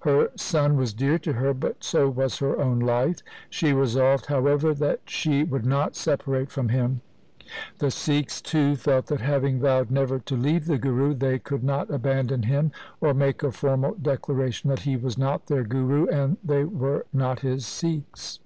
Her son was dear to her, but so was her own life. She resolved, however, that she would not separate from him. The Sikhs too felt that having vowed never to leave the Guru, they could not abandon him or make a formal declaration that he was not their Guru, and they were not his Sikhs.